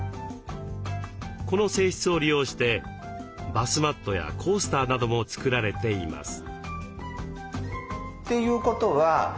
この性質を利用してバスマットやコースターなども作られています。